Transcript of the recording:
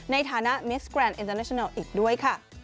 ในฐานะมิสกรานด์อินเตอร์เนชันล่ะด้วยค่ะ